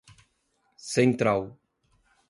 Central